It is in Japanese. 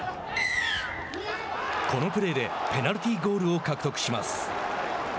このプレーでペナルティーゴールを獲得します。